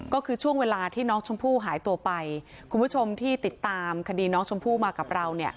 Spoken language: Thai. ก็คือช่วงเวลาที่น้องชมพู่หายตัวไปคุณผู้ชมที่ติดตามคดีน้องชมพู่มากับเรา